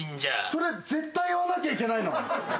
それ絶対言わなきゃいけないの？